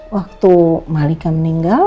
waktu malika meninggal